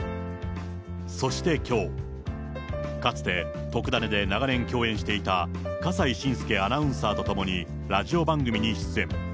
そしてきょう、かつて、とくダネ！で長年共演していた笠井信輔アナウンサーと共にラジオ番組に出演。